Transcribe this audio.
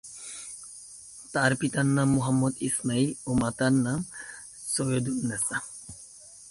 তার পিতার নাম মোহাম্মদ ইসমাইল ও মাতার নাম ছৈয়দুন্নেছা।